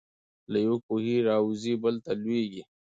له یوه کوهي را وزي بل ته لوېږي.